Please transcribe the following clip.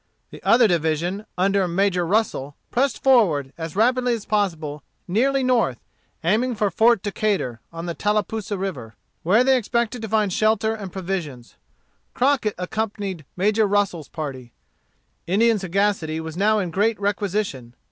The other division, under Major Russel, pressed forward, as rapidly as possible, nearly north, aiming for Fort Decatur, on the Tallapoosa River, where they expected to find shelter and provisions. Crockett accompanied Major Russel's party. Indian sagacity was now in great requisition.